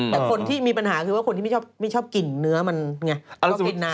แต่คนที่มีปัญหาคือว่าคนที่ไม่ชอบกลิ่นเนื้อมันไงชอบกินน้ำ